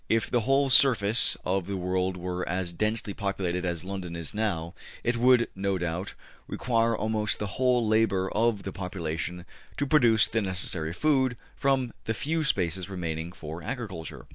If the whole surface of the world were as densely populated as London is now, it would, no doubt, require almost the whole labor of the population to produce the necessary food from the few spaces remaining for agriculture.